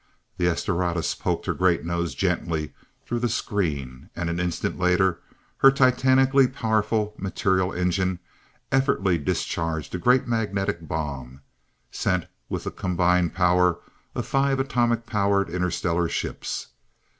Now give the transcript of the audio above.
The "S Doradus" poked her great nose gently through the screen, and an instant later her titanically powerful, material engine effortlessly discharged a great magnetic bomb, sent with the combined power of five atomic powered interstellar ships.